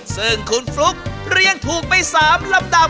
ซึ่งคุณฟลุ๊กเรียงถูกไป๓ลำดับ